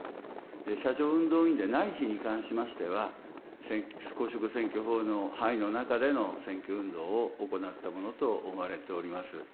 車上運動員じゃない日に関しては、公職選挙法の範囲の中での選挙運動を行ったものと思われております。